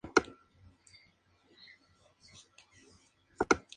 Varias multi-channel networks han sido adquiridas por grandes corporaciones.